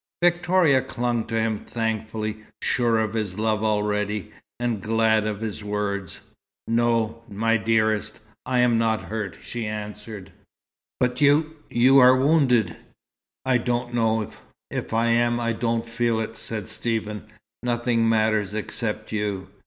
Victoria clung to him thankfully, sure of his love already, and glad of his words. "No, my dearest, I'm not hurt," she answered. "But you you are wounded!" "I don't know. If I am, I don't feel it," said Stephen. "Nothing matters except you."